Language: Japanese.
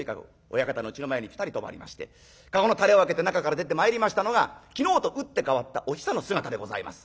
親方のうちの前にピタリ止まりまして駕籠の垂れを開けて中から出てまいりましたのが昨日と打って変わったお久の姿でございます。